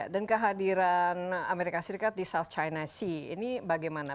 dan kehadiran amerika serikat di south china sea ini bagaimana